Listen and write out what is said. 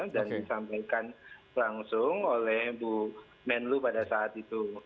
dan disampaikan langsung oleh bu menlu pada saat itu